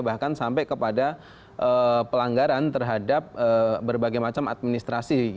bahkan sampai kepada pelanggaran terhadap berbagai macam administrasi